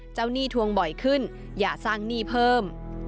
หนี้ทวงบ่อยขึ้นอย่าสร้างหนี้เพิ่ม